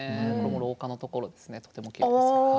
廊下のところですねとてもきれいです。